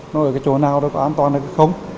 nó ở cái chỗ nào đó có an toàn hay không